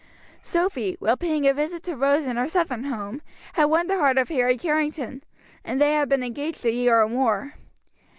Sophy, while paying a visit to Rose in her Southern home, had won the heart of Harry Carrington, and they had been engaged a year or more.